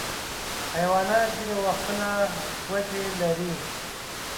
حیوانات ځینې وختونه ګوتې لري.